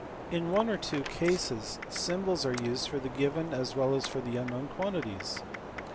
In one or two cases symbols are used for the given as well as for the unknown quantities.